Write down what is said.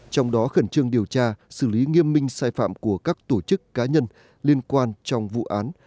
trong đó khẩn trương điều tra xử lý nghiêm minh sai phạm của các tổ chức cá nhân liên quan trong vụ án